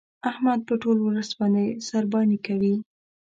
احمد په ټول ولس باندې سارباني کوي.